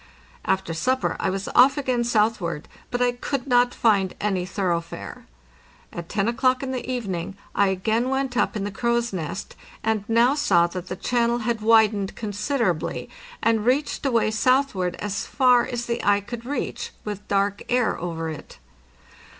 After supper I was off again southward, but I could not find any thoroughfare. At to o'clock in the evening I again went up in the crow's nest, and now saw that the channel had widened considerably and reached away southward as far as the eye could reach, with dark air over it.